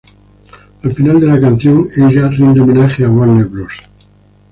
Al final de la canción ella rinde homenaje a Warner Bros.